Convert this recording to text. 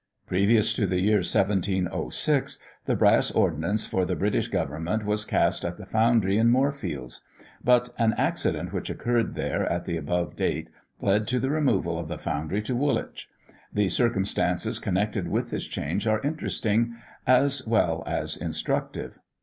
Previous to the year 1706, the brass ordnance for the British Government was cast at the foundry in Moorfields; but an accident which occurred there at the above date, led to the removal of the foundry to Woolwich. The circumstances connected with this change are interesting, as well as instructive.